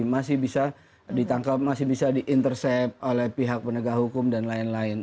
masih bisa ditangkap masih bisa di intercept oleh pihak penegak hukum dan lain lain